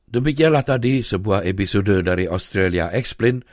demikianlah tadi sebuah episode dari australia eksplin